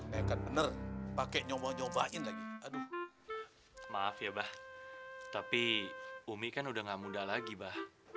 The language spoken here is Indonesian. bayangkan bener pakai nyoba nyobain lagi aduh maaf ya bah tapi umi kan udah gak muda lagi bah